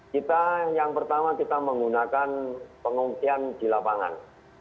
kita yang pertama kita menggunakan pengungsian di lapangan